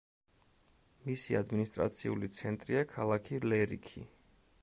მისი ადმინისტრაციული ცენტრია ქალაქი ლერიქი.